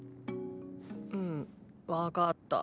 うんわかった。